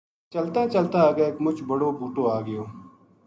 چلتا چلتا اَگے ایک مچ بڑو بوٹو آ گیو